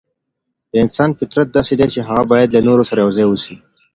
د انسان فطرت داسې دی چي هغه بايد له نورو سره يو ځای واوسي.